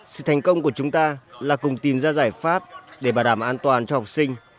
sự thành công của chúng ta là cùng tìm ra giải pháp để bảo đảm an toàn cho học sinh